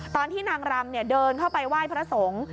ตอนที่นางรำเดินเข้าไปไหว้พระสงฆ์